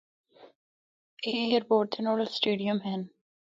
اے ایئرپورٹ تے نڑول سٹیڈیم ہن۔